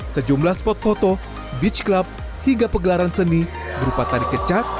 sejumlah spot foto beach club hingga pegelaran seni berupa tari kecak